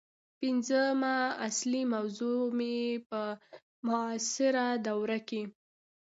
پنځمه اصلي موضوع مې په معاصره دوره کې